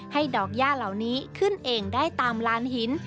ดอกย่าเหล่านี้ขึ้นเองได้ตามลานหิน